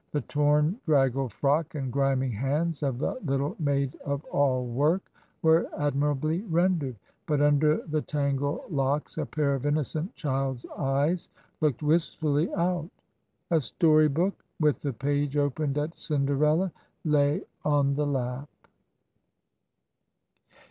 The torn, draggled frock and grimy hands of the little maid of all work were admirably rendered, but under the tangled locks a pair of innocent child's eyes looked wistfully out. A story book, with the page opened at Cinderella, lay on the lap.